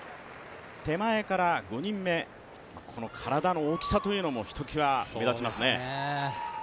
手前から５人目、この体の大きさというのもひときわ目立ちますね。